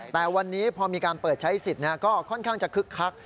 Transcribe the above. แต่วันนี้พอมีการเปิดใช้สิทธิ์ก็ค่อนข้างจะคึกคัก